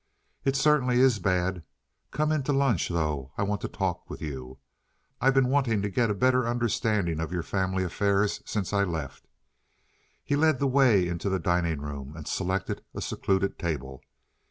"It certainly is bad. Come in to lunch, though. I want to talk with you. I've been wanting to get a better understanding of your family affairs ever since I left." He led the way into the dining room and selected a secluded table.